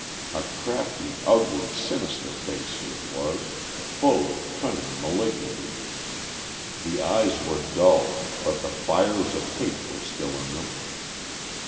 A crafty, ugly, sinister face it was, full of cunning malignity. The eyes were dull, but the fires of hate were still in them.